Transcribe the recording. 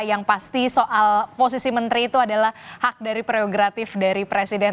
yang pasti soal posisi menteri itu adalah hak dari prerogatif dari presiden